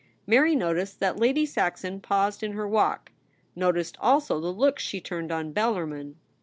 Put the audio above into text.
Mary noticed that Lady Saxon paused in her walk; noticed also the look she turned on Bellarmin.